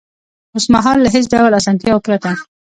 اوس مهال له هېڅ ډول اسانتیاوو پرته